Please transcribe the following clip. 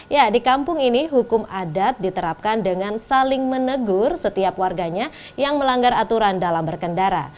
ya di kampung ini hukum adat diterapkan dengan saling menegur setiap warganya yang melanggar aturan dalam berkendara